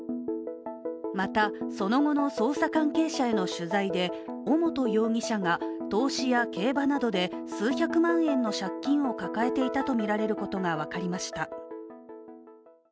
またその後の捜査関係者への取材で尾本容疑者が、投資や競馬などで数百万円の借金を抱えていたとみられることが分かりました。